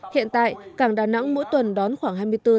hiện tại cảng đà nẵng mỗi tuần đón khoảng hai mươi bốn tàu container